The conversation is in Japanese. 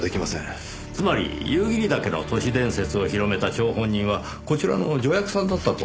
つまり夕霧岳の都市伝説を広めた張本人はこちらの助役さんだったと？